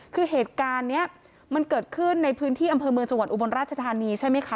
คือเหตุการณ์นี้มันเกิดขึ้นในพื้นที่อำเภอเมืองจังหวัดอุบลราชธานีใช่ไหมคะ